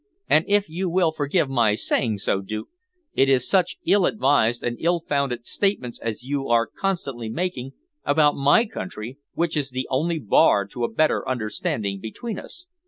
And if you will forgive my saying so, Duke, it is such ill advised and ill founded statements as you are constantly making about my country which is the only bar to a better understanding between us."